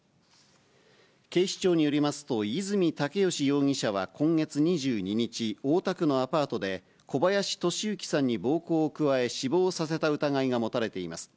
警視庁によりますと、泉竹良容疑者は今月２２日、大田区のアパートで、小林利行さんに暴行を加え、死亡させた疑いが持たれています。